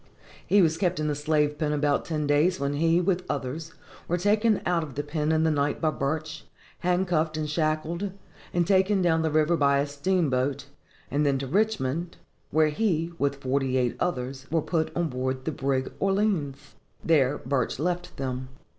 He was kept in the slave pen about ten days, when he, with others, was taken out of the pen in the night by Burch, handcuffed and shackled, and taken down the river by a steamboat, and then to Richmond, where he, with forty eight others, was put on board the brig Orleans. There Burch left them.